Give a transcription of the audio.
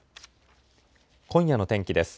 今夜の天気です。